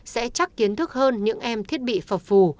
sẽ chắc kiến thức hơn những em thiết bị phở phù